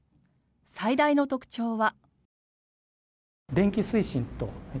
最大の特徴は。